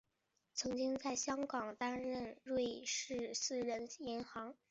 曾经在香港担任瑞士私人银行香港助理副总裁。